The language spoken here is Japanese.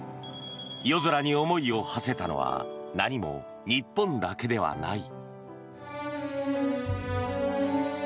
夜空に思いをはせたのは何も日本だけではない。